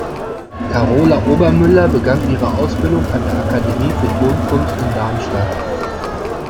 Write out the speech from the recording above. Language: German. Karola Obermüller begann ihre Ausbildung an der Akademie für Tonkunst in Darmstadt.